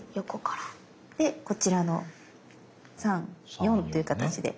でこちらの３４という形で。